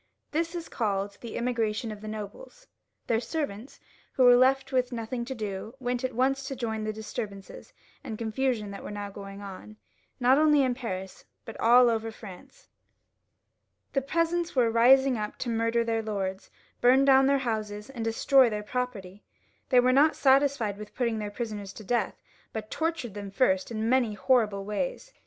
This is called the Emigration of the Nobles. Their servants, who were left with nothing to do, went at once to join in the disturbances and confusion that were now going on, not only in Paris, but all over France. The peasants were rising up to murder their lords, bum down their houses, and destroy their property. They were not satisfied with putting their prisoners to death, but tortured them first in many horrible ways.